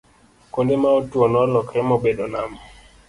kuonde ma otwo nolokore mobedo nam